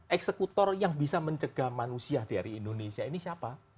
eksekutor yang bisa mencegah manusia dari indonesia ini siapa